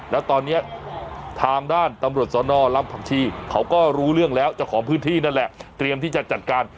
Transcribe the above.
แล้วตอนนี้ทางด้านตำรวจสนลำผักชีเขาก็รู้เรื่องแล้วเจ้าของพื้นที่นั่นแหละเตรียมที่จะจัดการ